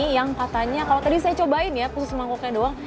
yang katanya kalau tadi saya cobain ya khusus mangkuknya doang